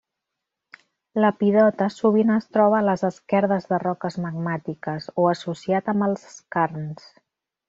L'epidota, sovint es troba a les esquerdes de roques magmàtiques, o associat amb els skarns.